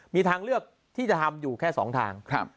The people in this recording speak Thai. มีทางเลือกที่จะทำอยู่แค่๒ทาง